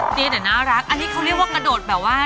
ดีแต่น่ารักอันนี้เขาเรียกว่ากระโดดแบบว่า